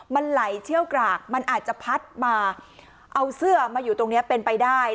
มันไหลเชี่ยวกรากมันอาจจะพัดมาเอาเสื้อมาอยู่ตรงนี้เป็นไปได้